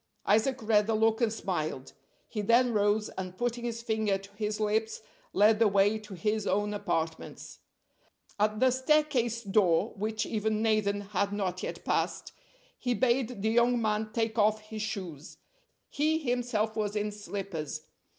Isaac read the look and smiled. He then rose, and, putting his finger to his lips, led the way to his own apartments. At the staircase door, which even Nathan had not yet passed, he bade the young man take off his shoes; he himself was in slippers.